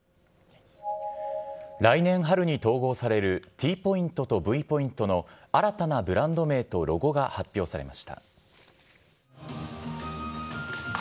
来年春に統合されるＴポイントとＶポイントの新たなブランド名とロゴが発表されました。